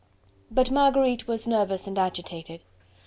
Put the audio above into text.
But Marguerite was nervous and agitated.